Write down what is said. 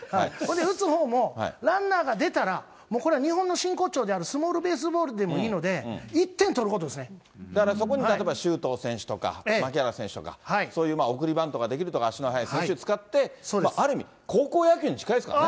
打つほうも、ランナーが出たら、これは日本の真骨頂であるスモールベースボールでもいいので、１だからそこに例えば周東選手とか、牧原選手とか、そういう送りバントができるとか、足の速い選手使って、ある意味、高校野球に近いですかね。